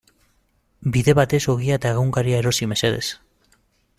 Bide batez ogia eta egunkaria erosi mesedez.